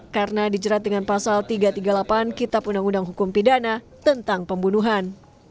karena dijerat dengan pasal tiga ratus tiga puluh delapan kitab undang undang hukum pidana tentang pembunuhan